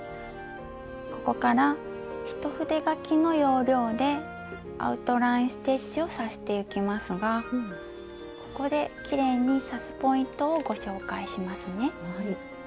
ここから一筆書きの要領でアウトライン・ステッチを刺してゆきますがここできれいに刺すポイントをご紹介しますね。